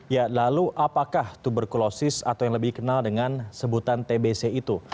ya lalu apakah tuberkulosis atau yang lebih kenal dengan sebutan tbc itu